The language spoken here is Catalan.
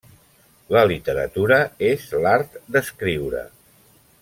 La literatura és l'art d'escriure.